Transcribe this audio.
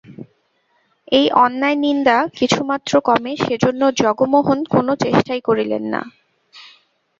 এই অন্যায় নিন্দা কিছুমাত্র কমে সেজন্য জগমোহন কোনো চেষ্টাই করিলেন না।